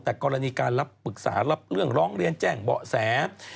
แต่กรณีการรับปรึกษารับเรื่องร้องเรียนแจ้งเบาะแส